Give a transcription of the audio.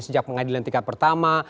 sejak pengadilan tingkat pertama